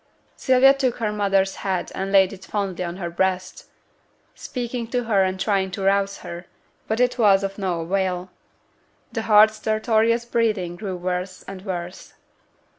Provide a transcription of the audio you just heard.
Sylvia took her mother's head and laid it fondly on her breast, speaking to her and trying to rouse her; but it was of no avail: the hard, stertorous breathing grew worse and worse.